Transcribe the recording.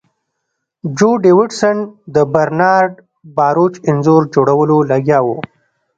جو ډیویډ سن د برنارډ باروچ انځور جوړولو لګیا و